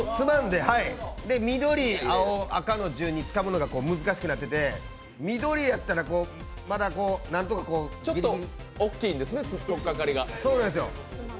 緑、青、赤の順につかむのが難しくなっていて、緑やったら、まだ何とかギリギリちょっと大きいんですね、とっかかりが。